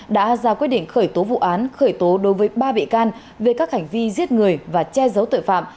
đã ra quyết định khởi tố vụ án khởi tố đối với ba bị can về các hành vi giết người và che giấu tội phạm